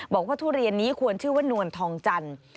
ทุเรียนนี้ควรชื่อว่านวลทองจันทร์